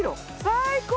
最高！